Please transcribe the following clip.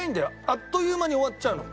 あっという間に終わっちゃうの。